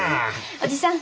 おじさん